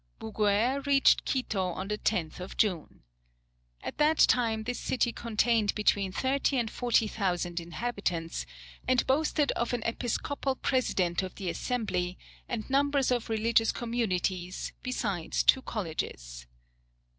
Bouguer reached Quito on the 10th of June. At that time this city contained between thirty and forty thousand inhabitants, and boasted of an episcopal president of the Assembly, and numbers of religious communities, besides two colleges.